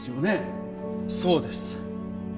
そうです。